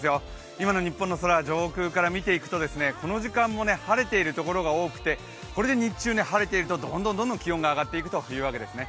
今の日本の空を上空から見てみると日本列島、晴れているところが多くて、これで日中、晴れているとどんどん気温が上がっていくというわけですね。